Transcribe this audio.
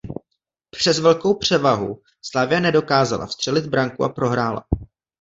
Přes velkou převahu Slavia nedokázala vstřelit branku a prohrála.